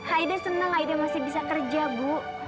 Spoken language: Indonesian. aida seneng aida masih bisa kerja bu